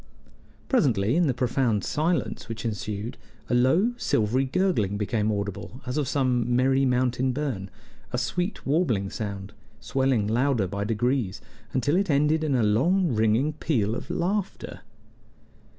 Presently, in the profound silence which ensued, a low, silvery gurgling became audible, as of some merry mountain burn a sweet, warbling sound, swelling louder by degrees until it ended in a long ringing peal of laughter.